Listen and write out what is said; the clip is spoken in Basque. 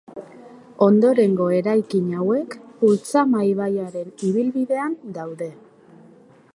Ondorengo eraikin hauek Ultzama ibaiaren ibilbidean daude.